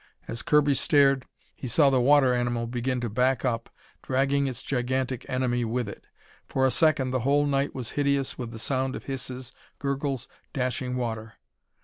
As Kirby stared, he saw the water animal begin to back up, dragging its gigantic enemy with it. For a second the whole night was hideous with the sound of hisses, gurgles, dashing water.